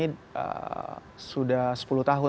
rectangle sufficient nama setelah dengan nada ya kan